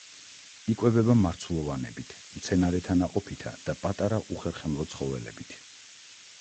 იკვებება მარცვლოვნებით, მცენარეთა ნაყოფითა და პატარა უხერხემლო ცხოველებით.